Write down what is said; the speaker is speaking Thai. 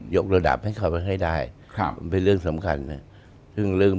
ยกระดับให้เขาให้ได้เป็นเรื่องสำคัญนะครับ